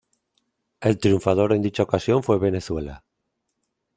El triunfador en dicha ocasión fue Venezuela.